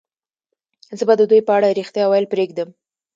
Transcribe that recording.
زه به د دوی په اړه رښتیا ویل پرېږدم